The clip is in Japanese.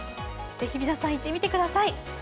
ぜひ皆さん、行ってみてください。